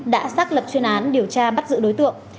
đã xác lập chuyên án điều tra bắt giữ đối tượng